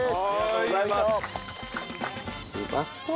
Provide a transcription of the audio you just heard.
うまそう！